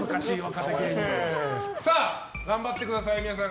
さあ、頑張ってください皆さん。